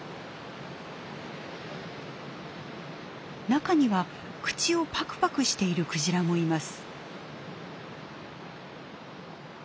中には口をパクパクしているクジラもいます。